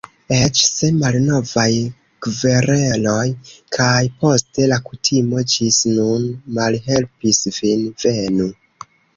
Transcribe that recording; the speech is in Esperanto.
Eĉ se malnovaj kvereloj kaj poste la kutimo ĝis nun malhelpis vin: Venu!